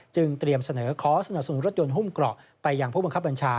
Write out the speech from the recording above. เตรียมเสนอขอสนับสนุนรถยนต์หุ้มเกราะไปยังผู้บังคับบัญชา